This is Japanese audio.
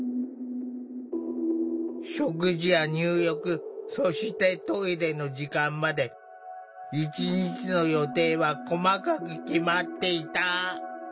食事や入浴そしてトイレの時間まで一日の予定は細かく決まっていた。